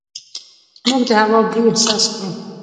موږ د هوا بوی احساس کړو.